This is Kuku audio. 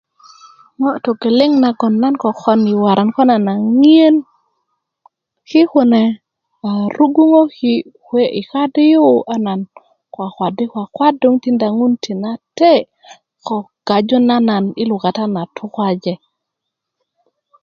ŋo togeleŋ nagon nan kokon ko nan a ŋien ki kune a ruguŋöki kuwe i kadi yu a nan kwakwadi kwakwadu tikinda ŋun tinate i gaju na man i lukata na tukwaje